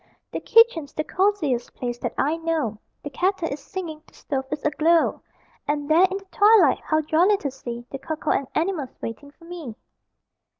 The kitchen's the cosiest place that I know: The kettle is singing, the stove is aglow, And there in the twilight, how jolly to see The cocoa and animals waiting for me.